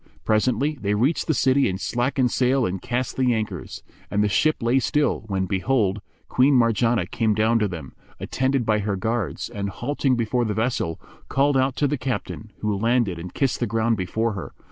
Presently they reached the city and slackened sail and cast the anchors; and the ship lay still, when behold, Queen Marjanah came down to them, attended by her guards and, halting before the vessel, called out to the captain, who landed and kissed the ground before her.